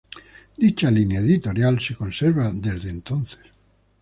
Dicha línea editorial se conserva desde entonces.